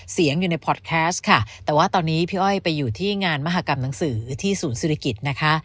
เสียงอยู่ในพอร์ตแคสต์ค่ะแต่ว่าตอนนี้พี่อ้อยไปอยู่ที่งานมหากรรมหนังสือที่ศูนย์ศิริกิจนะคะ